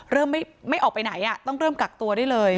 เริ่มไม่ออกไปไหนต้องเริ่มกักตัวได้เลย